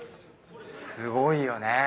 すごいよね。